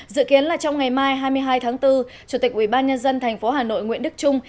dự kiến là trong ngày mai hai mươi hai tháng bốn chủ tịch ubnd tp hà nội nguyễn đức trung